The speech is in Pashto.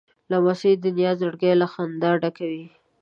لمسی د نیا زړګی له خندا ډکوي.